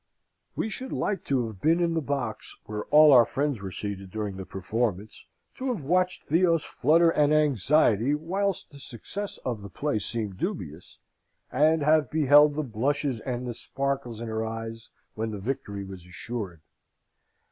We should like to have been in the box where all our friends were seated during the performance, to have watched Theo's flutter and anxiety whilst the success of the play seemed dubious, and have beheld the blushes and the sparkles in her eyes, when the victory was assured.